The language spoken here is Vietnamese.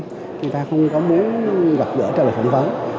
người ta không có muốn gặp gỡ trả lời phỏng vấn